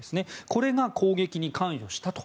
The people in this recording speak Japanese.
これが攻撃に関与したと。